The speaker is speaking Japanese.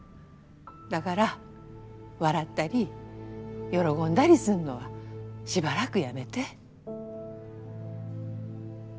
だがら笑ったり喜んだりすんのはしばらくやめで。